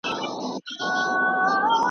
خلک زده کړه ارزښتمنه بولي.